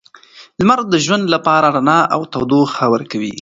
لمر د ژوند لپاره رڼا او تودوخه ورکوي.